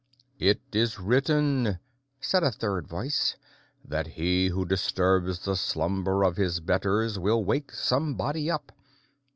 "It is written," said a third voice, "that he who disturbs the slumber of his betters will wake somebody up.